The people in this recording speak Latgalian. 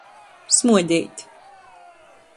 Smuodeit.